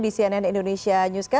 di cnn indonesia newscast